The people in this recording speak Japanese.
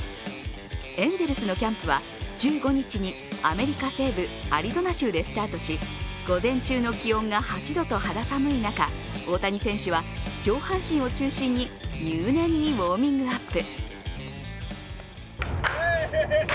エンゼルスのキャンプは１５日にアメリカ西部アリゾナ州でスタートし、午前中の気温が８度と肌寒い中、大谷選手は上半身を中心に入念にウォーミングアップ。